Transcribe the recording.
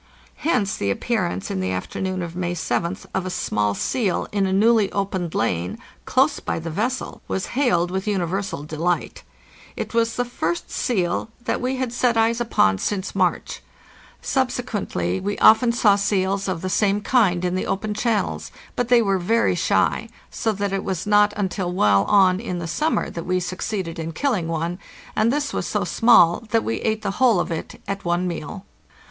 Hence the appearance in the afternoon of May 7th of a small seal in a newly opened lane, close by the vessel, was hailed with uni versal delight. It was the first seal that we had set eyes upon VIEW OVER THE DRIFT ICE. DEPOT IN FOREGROUND MARCH 15 TO JUNE 22, 1895 617 since March. Subsequently we often saw seals of the same kind in the open channels, but they were very shy, so that it was not until well on in the summer that we succeeded in killing one, and this was so small that we ate the whole of it at one meal.